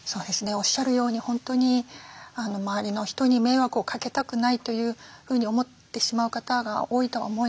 おっしゃるように本当に周りの人に迷惑をかけたくないというふうに思ってしまう方が多いとは思います。